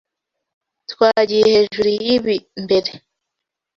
Twagiye hejuru yibi mbere.